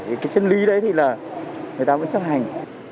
cái chân lý đấy thì là người ta vẫn chấp hành